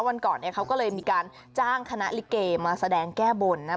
วันก่อนเนี่ยเขาก็เลยมีการจ้างคณะลิเกมาแสดงแก้บนนะ